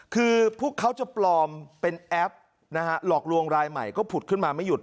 คือพวกเขาจะปลอมเป็นแอปนะฮะหลอกลวงรายใหม่ก็ผุดขึ้นมาไม่หยุด